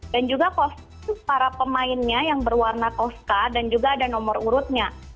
dan juga para pemainnya yang berwarna koska dan juga ada nomor urutnya